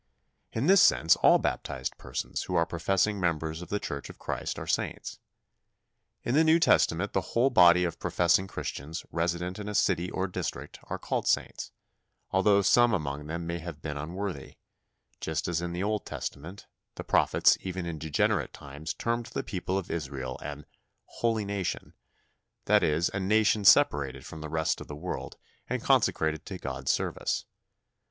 In this sense all baptized persons who are professing members of the Church of Christ are saints. In the New Testament the whole body of professing Christians resident in a city or district are called saints, although some among them may have been unworthy; just as in the Old Testament the prophets even in degenerate times termed the people of Israel an "holy nation," that is, a nation separated from the rest of the world and consecrated to God's service.